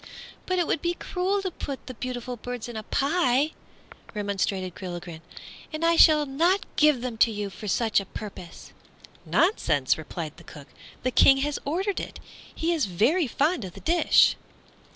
"But it would be cruel to put the beautiful birds in a pie," remonstrated Gilligren, "and I shall not give them to you for such a purpose." "Nonsense!" replied the cook, "the King has ordered it; he is very fond of the dish."